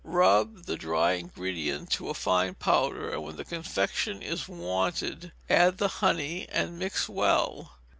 Rub the dry ingredient to a fine powder, and when the confection is wanted, add the honey, and mix well.